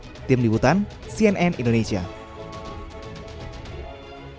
yang mengaku juga menyebabkan kegiatan kegiatan kegiatan